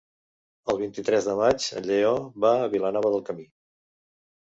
El vint-i-tres de maig en Lleó va a Vilanova del Camí.